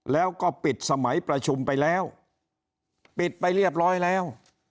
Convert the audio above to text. แล้วก็ปิดสมัยประชุมไปแล้วปิดไปเรียบร้อยแล้ว